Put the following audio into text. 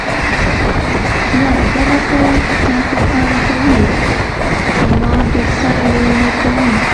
نه، دغه تل تا خوشحاله کوي، خو ما ګردسره لېونۍ کوي.